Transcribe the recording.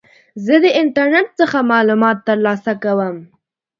زه د انټرنیټ څخه معلومات ترلاسه کوم.